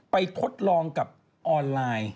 ทดลองกับออนไลน์